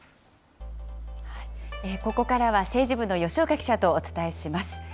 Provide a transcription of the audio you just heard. ここからは政治部の吉岡記者とお伝えします。